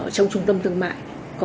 trong trung tâm thương mại